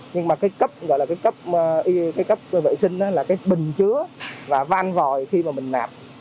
nhưng mà cấp vệ sinh là bình chứa và van vòi khi nạp